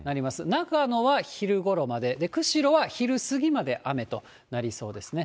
長野は昼ごろまでで、釧路は昼過ぎまで雨となりそうですね。